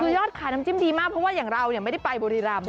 คือยอดขายน้ำจิ้มดีมากเพราะว่าอย่างเราไม่ได้ไปบุรีรำ